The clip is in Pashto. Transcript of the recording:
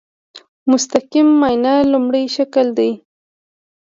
مستقیم معاینه لومړی شکل دی.